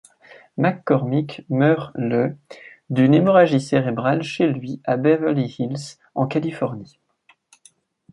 McCormick meurt le d'une hémorragie cérébrale chez lui à Beverly Hills en Californie.